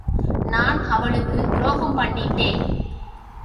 நான் அவளுக்கு துரோகம் பண்ணிட்டேன்.